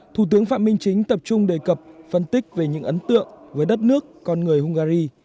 thủ tướng phạm minh chính tập trung đề cập phân tích về những ấn tượng với đất nước con người hungary